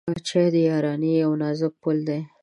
چای د یارانۍ یو نازک پُل دی.